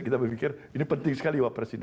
kita berpikir ini penting sekali wapres ini